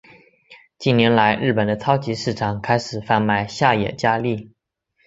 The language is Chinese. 近年来日本的超级市场开始贩卖下野家例。